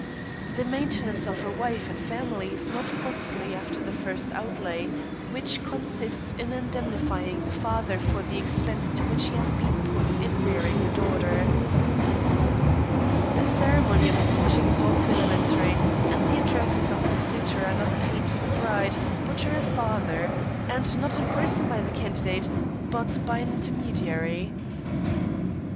The maintenance of a wife and family is not costly after the first outlay, which consists in indemnifying the father for the expense to which he has been put in rearing a daughter. The ceremony of courting is also elementary, and the addresses of the suitor are not paid to the bride, but to her father, and not in person by the candidate, but by an intermediary.